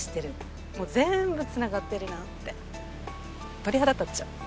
鳥肌立っちゃう！